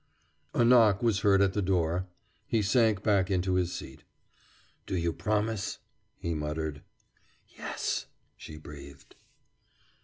A knock was heard at the door. He sank back into his seat. "Do you promise?" he muttered. "Yes," she breathed.